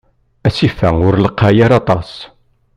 Asif-a ur lqay ara aṭas.